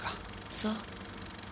そう。